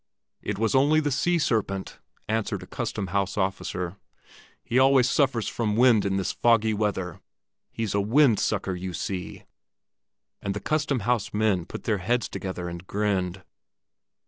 "It was only the sea serpent," answered a custom house officer. "He always suffers from wind in this foggy weather. He's a wind sucker, you see." And the custom house men put their heads together and grinned.